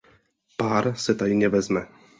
Pár se tajně vezme.